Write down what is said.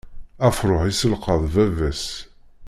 Afrux yisselqaḍ baba-s.